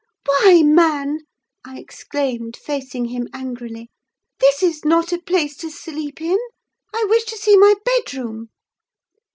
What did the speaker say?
"Why, man," I exclaimed, facing him angrily, "this is not a place to sleep in. I wish to see my bed room."